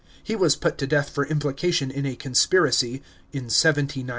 He was put to death for implication in a conspiracy (in 79 A.D.)